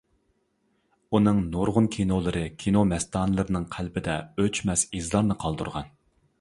ئۇنىڭ نۇرغۇن كىنولىرى كىنو مەستانىلىرىنىڭ قەلبىدە ئۆچمەس ئىزلارنى قالدۇرغان.